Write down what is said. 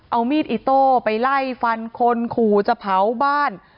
เอามีดอิโต้ไปไล่ฟันคนขู่จะเผาบ้าน